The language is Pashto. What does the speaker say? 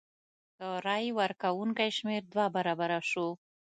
د رای ورکوونکو شمېر دوه برابره شو.